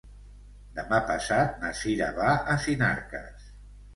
Demà passat na Sira va a Sinarques.